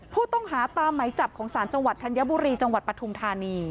ผู้ต้องหาตามไหมจับของศาลจังหวัดธัญบุรีจังหวัดปฐุมธานี